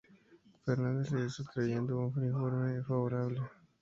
Fernández regresó trayendo un informe favorable.